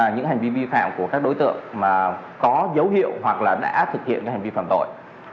những hành vi vi phạm của các đối tượng mà có dấu hiệu hoặc là đã thực hiện hành vi phạm tội